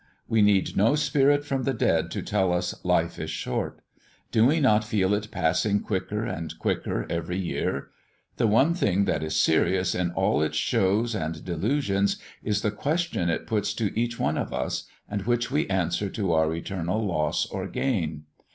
We need no spirit from the dead to tell us life is short. Do we not feel it passing quicker and quicker every year? The one thing that is serious in all its shows and delusions is the question it puts to each one of us, and which we answer to our eternal loss or gain.